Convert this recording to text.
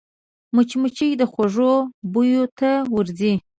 مچمچۍ د خوږو بویو ته ورځي